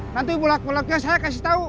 nanti bolak bolaknya saya kasih tau